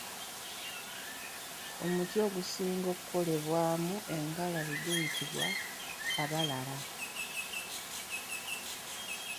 Omuti ogusinga okukolebwamu engalabi guyitibwa Kabalara.